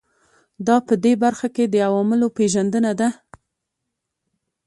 دا په دې برخه کې د عواملو پېژندنه ده.